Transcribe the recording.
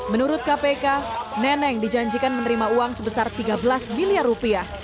menurut kpk neneng dijanjikan menerima uang sebesar tiga belas miliar rupiah